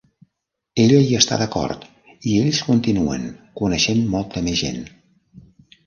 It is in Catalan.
Ella hi està d'acord i ells continuen, coneixent molta més gent.